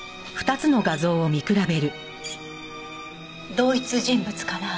同一人物かなあ。